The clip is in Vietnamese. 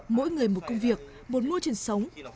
mỗi người một công việc một môi trường sống